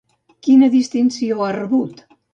Quina distinció ha rebut?